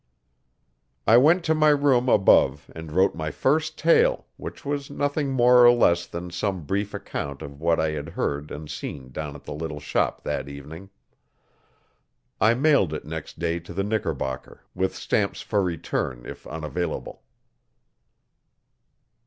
I went to my room above and wrote my first tale, which was nothing more or less than some brief account of what I had heard and seen down at the little shop that evening. I mailed it next day to the Knickerbocker, with stamps for return if unavailable.